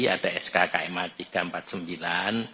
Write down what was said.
ada sk kma tiga ratus empat puluh sembilan